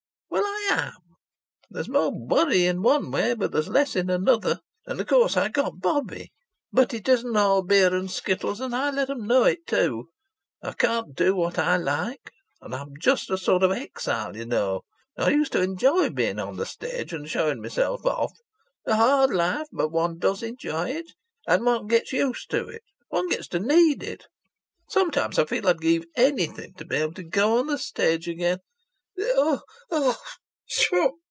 Well, I am! There's more worry in one way, but there's less in another. And of course I've got Bobbie! But it isn't all beer and skittles, and I let 'em know it, too. I can't do what I like! And I'm just a sort of exile, you know. I used to enjoy being on the stage and showing myself off. A hard life, but one does enjoy it. And one gets used to it. One gets to need it. Sometimes I feel I'd give anything to be able to go on the stage again Oh oh